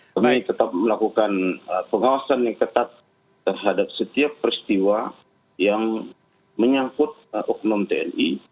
kami tetap melakukan pengawasan yang ketat terhadap setiap peristiwa yang menyangkut oknum tni